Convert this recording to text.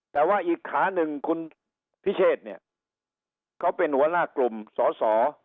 แต่ว่าอีกขาหนึ่งคุณพิเชษเนี่ยเขาเป็นหัวหน้ากลุ่มสอสอ